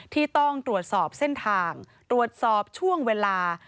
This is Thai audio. ที่ต้องตรวจสอบเส้นทางตรวจสอบช่วงเวลา